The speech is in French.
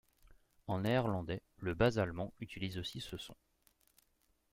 En néerlandais, le bas-allemand utilise aussi ce son.